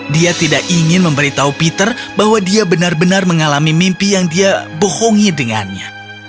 dia tidak ingin memberitahu peter bahwa dia benar benar mengalami mimpi yang dia bohongi dengannya